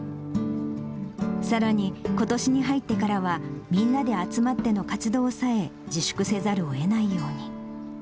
さらに、ことしに入ってからは、みんなで集まっての活動さえ自粛せざるをえないように。